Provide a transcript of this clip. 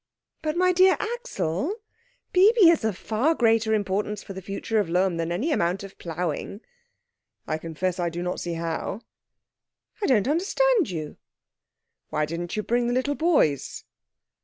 "But, my dear Axel, Bibi is of far greater importance for the future of Lohm than any amount of ploughing." "I confess I do not see how." "I don't understand you." "Why didn't you bring the little boys?"